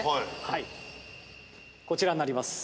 はいこちらになります。